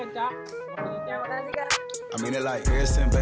ca thank you banyak ya ca